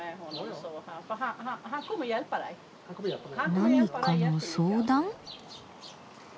何かの相談？